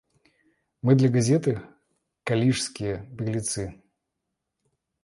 Мы для газеты — калишские беглецы.